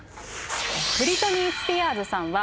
ブリトニー・スピアーズさんは、